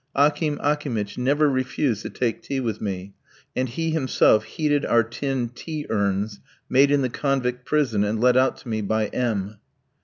Akim Akimitch never refused to take tea with me, and he himself heated our tin tea urns, made in the convict prison and let out to me by M